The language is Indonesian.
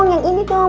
eh yang ini dong